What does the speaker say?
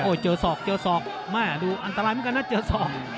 โอ้ยเจอสอกเจอสอกดูอันตรายเหมือนกันนะเจอสอก